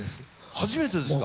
初めてですか？